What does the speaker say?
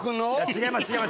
違います